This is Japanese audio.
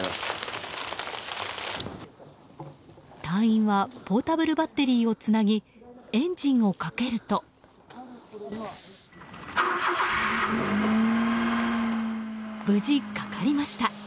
隊員はポータブルバッテリーをつなぎエンジンをかけると無事、かかりました。